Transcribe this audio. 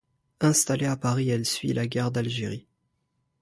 Installée à Paris, elle suit la guerre d'Algérie.